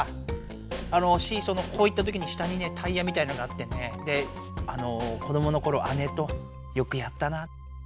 あのシーソーのこういったときに下にねタイヤみたいのがあってねで子どものころ姉とよくやったな。